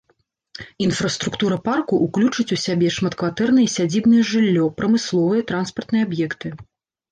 Інфраструктура парку ўключыць у сябе шматкватэрнае і сядзібнае жыллё, прамысловыя, транспартныя аб'екты.